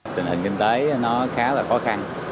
trình hình kinh tế nó khá là khó khăn